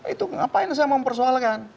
itu ngapain saya mempersoalkan